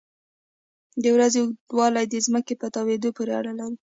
د ورځې اوږدوالی د ځمکې په تاوېدو پورې اړه لري.